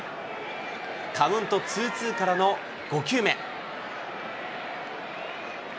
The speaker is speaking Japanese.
カウントツーツーからの５球目。